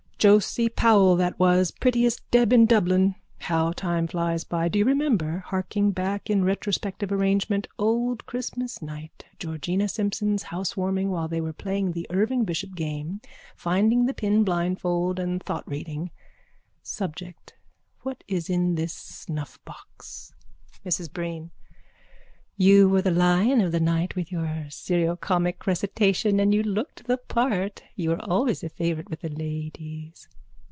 _ Josie Powell that was, prettiest deb in Dublin. How time flies by! Do you remember, harking back in a retrospective arrangement, Old Christmas night, Georgina Simpson's housewarming while they were playing the Irving Bishop game, finding the pin blindfold and thoughtreading? Subject, what is in this snuffbox? MRS BREEN: You were the lion of the night with your seriocomic recitation and you looked the part. You were always a favourite with the ladies.